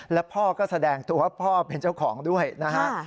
แล้วพ่อก็แสดงตัวพ่อเป็นเจ้าของด้วยนะฮะ